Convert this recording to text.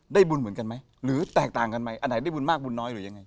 บุญเหมือนกันไหมหรือแตกต่างกันไหมอันไหนได้บุญมากบุญน้อยหรือยังไง